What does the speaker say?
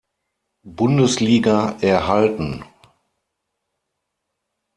Bundesliga erhalten.